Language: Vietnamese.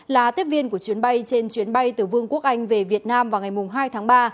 là tiếp viên của chuyến bay trên chuyến bay từ vương quốc anh về việt nam vào ngày hai tháng ba